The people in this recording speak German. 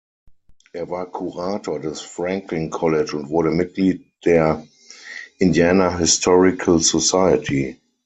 Er war Kurator des Franklin College und wurde Mitglied der "Indiana Historical Society".